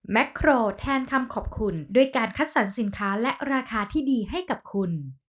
โครแทนคำขอบคุณด้วยการคัดสรรสินค้าและราคาที่ดีให้กับคุณ